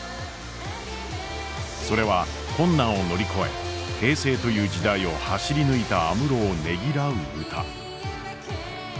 それは困難を乗り越え平成という時代を走り抜いた安室をねぎらう歌。